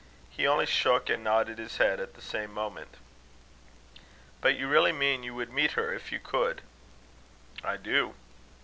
He only shook and nodded his head at the same moment. "Do you really mean you would meet her if you could?" "I do."